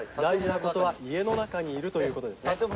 「大事な事は家の中にいるということですね？」。